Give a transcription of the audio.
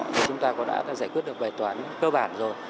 thì chúng ta đã giải quyết được bài toán cơ bản rồi